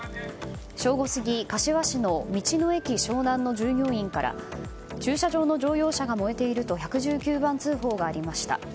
正午過ぎ、柏市の道の駅しょうなんの従業員から駐車場の乗用車が燃えていると１１９番通報がありました。